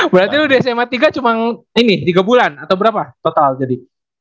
berarti di sma tiga cuma ini tiga bulan atau berapa total jadi